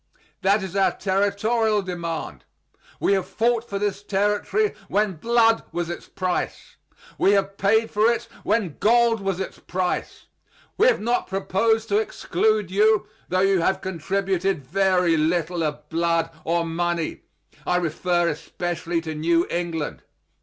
That is our Territorial demand. We have fought for this Territory when blood was its price. We have paid for it when gold was its price. We have not proposed to exclude you, tho you have contributed very little of blood or money. I refer especially to New England.